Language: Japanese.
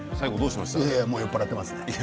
酔っ払っていましたね。